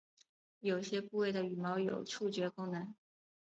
有些部位的羽毛有触觉功能。